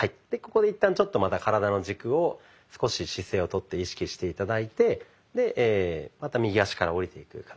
でここで一旦ちょっとまた体の軸を少し姿勢をとって意識して頂いてまた右足から下りていく。